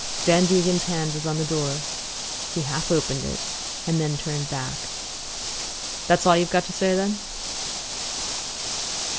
Van Degen's hand was on the door. He half opened it and then turned back. "That's all you've got to say, then?"